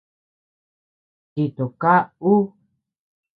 Chito kaʼa ú.